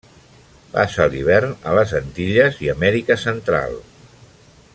Passa l'hivern a les Antilles i Amèrica Central.